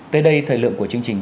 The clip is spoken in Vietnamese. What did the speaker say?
tới đây thời lượng của chương trình